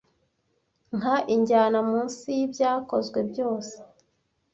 nka injyana munsi y ibyakozwe byose